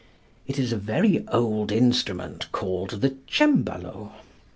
It is a very old instrument called the cembalo.